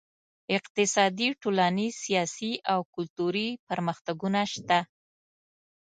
اقتصادي، ټولنیز، سیاسي او کلتوري پرمختګونه شته.